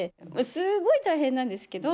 すごい大変なんですけど。